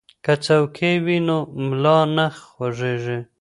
که څوکۍ وي نو ملا نه خوږیږي.